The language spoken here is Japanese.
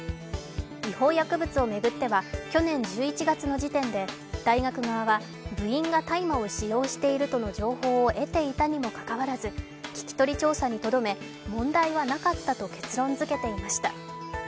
違法薬物を巡っては去年１１月の時点で大学側は、部員が大麻を使用としているとの情報を得ていたにもかかわらず聞き取り調査にとどめ、問題はなかったと結論づけていました。